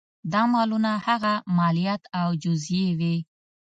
دا مالونه هغه مالیات او جزیې وې.